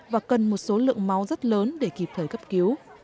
và cần một số lượng máu rất lớn để kịp thời cấp cứu